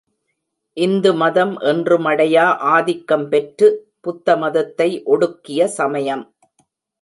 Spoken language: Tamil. இந்து மதம் என்றுமடையா ஆதிக்கம் பெற்று புத்த மதத்தை ஒடுக்கிய சமயம்.